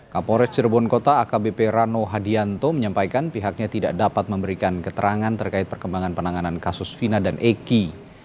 kapolres cirebon kota akbp rano hadianto menyampaikan pihaknya tidak dapat memberikan keterangan terkait perkembangan penanganan kasus vina dan eki